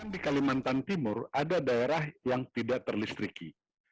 di kalimantan timur ada daerah yang tidak terlistriki